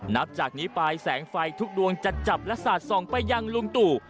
นับจากนี้ไปแสงไฟทุกดวงจะจับและสาดส่องไปยังลุงตู่